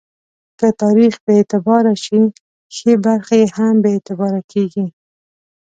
که تاریخ بې اعتباره شي، ښې برخې یې هم بې اعتباره کېږي.